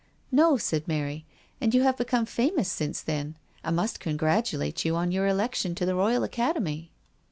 " No," said Mary, " and you have become famous since then. * I must congratulate you on your election to the Royal Academy."